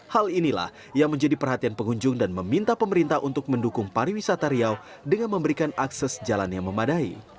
hal inilah yang menjadi perhatian pengunjung dan meminta pemerintah untuk mendukung pariwisata riau dengan memberikan akses jalan yang memadai